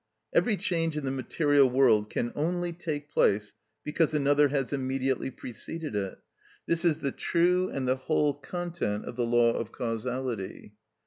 Every change in the material world can only take place because another has immediately preceded it: this is the true and the whole content of the law of causality.